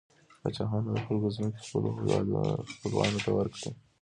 پاچاهانو د خلکو ځمکې خپلو خپلوانو ته ورکړې.